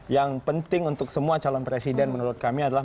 yang penting untuk semua calon presiden menurut kami adalah